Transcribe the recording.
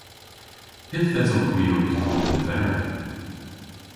Pyth esowgh hwi ow kul y'n lyverva?